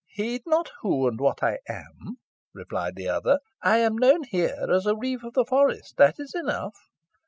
"Heed not who and what I am," replied the other; "I am known here as a reeve of the forest that is enough.